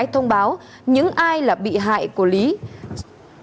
thu giữ được nhiều đồ vật tài liệu có liên quan đến vụ án